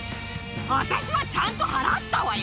私はちゃんと払ったわよ。